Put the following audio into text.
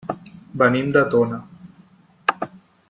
Venim de Tona.